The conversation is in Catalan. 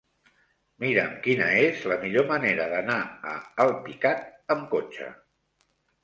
Mira'm quina és la millor manera d'anar a Alpicat amb cotxe.